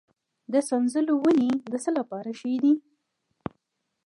د سنځلو ونې د څه لپاره ښې دي؟